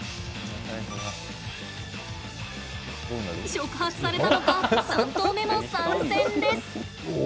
触発されたのか３頭目も参戦です。